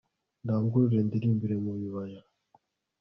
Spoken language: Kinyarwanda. ndangurure ndirimbire mu bibaya